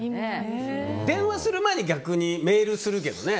電話する前に逆にメールするけどね。